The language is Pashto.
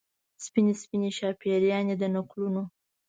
سپینې، سپینې شاپیريانې د نکلونو